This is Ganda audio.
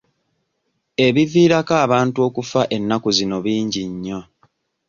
Ebiviirako abantu okufa ennaku zino bingi nnyo.